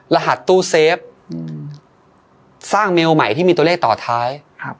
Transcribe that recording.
รหัสตู้เซฟสร้างเมลใหม่ที่มีตัวเลขต่อท้าย